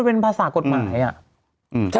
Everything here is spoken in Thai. เป็นภาษากฎหมายอ่ะ